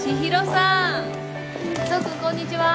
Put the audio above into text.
爽君こんにちは。